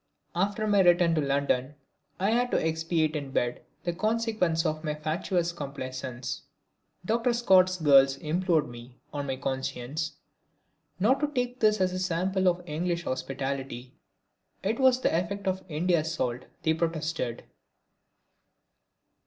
After my return to London I had to expiate in bed the consequences of my fatuous complaisance. Dr. Scott's girls implored me, on my conscience, not to take this as a sample of English hospitality. It was the effect of India's salt, they protested.